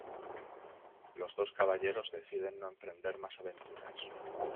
Los dos caballeros deciden no emprender más aventuras.